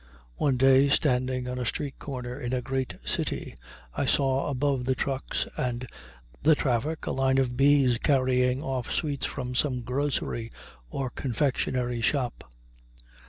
One day, standing on a street corner in a great city, I saw above the trucks and the traffic a line of bees carrying off sweets from some grocery or confectionery shop.